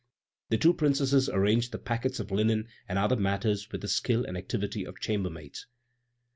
The two Princesses arranged the packets of linen and other matters with the skill and activity of chambermaids.